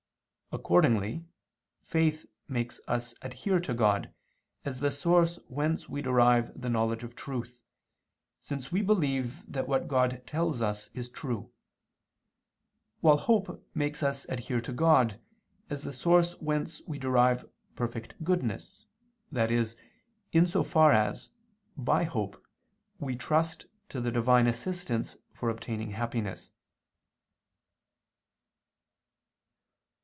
Accordingly faith makes us adhere to God, as the source whence we derive the knowledge of truth, since we believe that what God tells us is true: while hope makes us adhere to God, as the source whence we derive perfect goodness, i.e. in so far as, by hope, we trust to the Divine assistance for obtaining happiness.